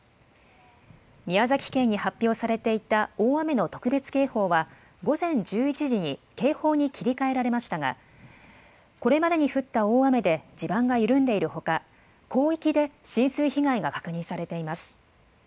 宮崎県に発表されていた大雨の特別警報は、午前１１時に警報に切り替えられましたが、これまでに降った大雨で地盤が緩んでいるほか、広域で浸水被害が確認されています。